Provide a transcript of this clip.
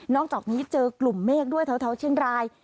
จากนี้เจอกลุ่มเมฆด้วยแถวเชียงราย